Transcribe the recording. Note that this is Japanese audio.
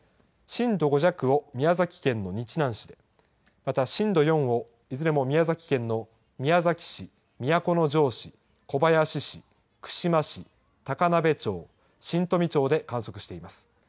震度５弱を宮崎県の日南市で、また、震度４をいずれも宮崎県の宮崎市、都城市、小林市、串間市、高鍋町、新富町で観測しています。